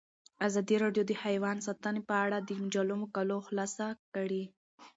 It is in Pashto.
ازادي راډیو د حیوان ساتنه په اړه د مجلو مقالو خلاصه کړې.